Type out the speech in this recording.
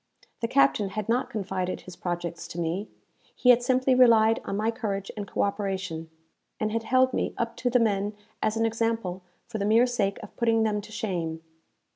The captain had not confided his projects to me; he had simply relied on my courage and co operation, and had held me up to the men as an example for the mere sake of putting them to shame.